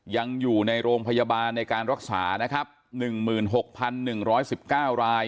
ยังอยู่ในโรงพยาบาลในการรักษานะครับหนึ่งหมื่นหกพันหนึ่งร้อยสิบเก้าราย